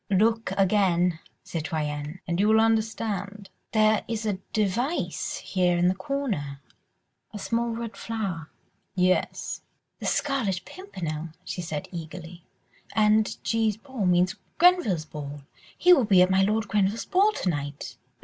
"Look again, citoyenne, and you will understand." "There is a device here in the corner, a small red flower ..." "Yes." "The Scarlet Pimpernel," she said eagerly, "and G.'s ball means Grenville's ball. ... He will be at my Lord Grenville's ball to night."